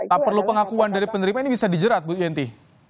tak perlu pengakuan dari penerima ini bisa dijerat bu yenti